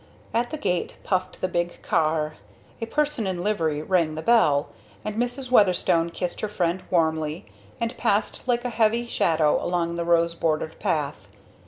At the gate puffed the big car, a person in livery rang the bell, and Mrs. Weatherstone kissed her friend warmly, and passed like a heavy shadow along the rose bordered path.